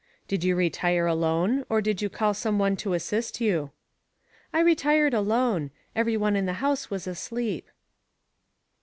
"Did you retire alone or did you call some one to assist you?" "I retired alone; every one in the house was asleep."